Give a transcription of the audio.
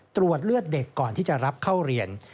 ตรวจเลือดเด็กก่อนที่จะรับเข้าเรียน